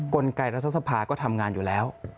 กลไกรัฐสภาก็ทำงานอยู่แล้ว